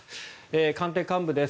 官邸幹部です。